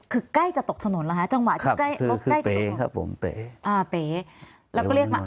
คือใกล้จะตกถนนแล้วฮะจังหวะที่ใกล้ครับครับผมอ่าแล้วก็เรียกมา